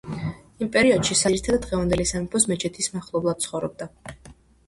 იმ პერიოდში, სარაევოს მოსახლეობა ძირითადად დღევანდელი სამეფო მეჩეთის მახლობლად ცხოვრობდა.